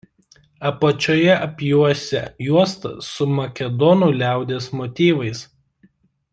Apačioje apjuosia juosta su makedonų liaudies motyvais.